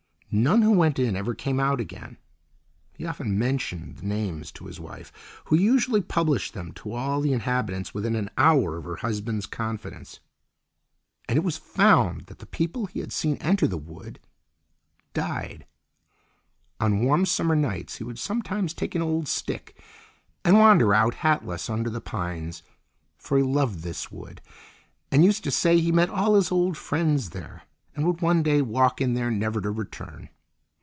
None who went in ever came out again. He often mentioned the names to his wife, who usually published them to all the inhabitants within an hour of her husband's confidence; and it was found that the people he had seen enter the wood—died. On warm summer nights he would sometimes take an old stick and wander out, hatless, under the pines, for he loved this wood, and used to say he met all his old friends there, and would one day walk in there never to return.